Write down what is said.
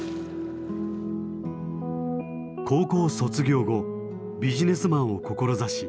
高校卒業後ビジネスマンを志し